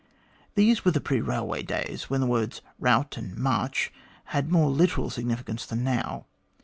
These were the pre railway days, when the words * route ' and * march ' had more literal significance than now.